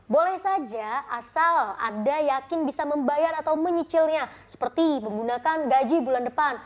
boleh saja asal anda yakin bisa membayar atau menyicilnya seperti menggunakan gaji bulan depan